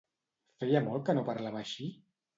Feia molt que no parlava així?